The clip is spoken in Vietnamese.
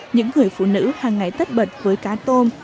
những người phụ nữ hàng ngày tất bật với cá tôm